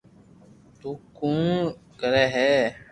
تو ڪوڙ ڪري ھي